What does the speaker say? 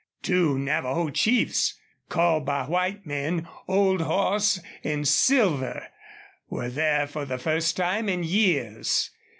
Two Navajo chiefs, called by white men Old Horse and Silver, were there for the first time in years.